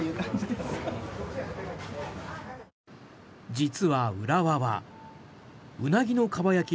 実は浦和はウナギのかば焼き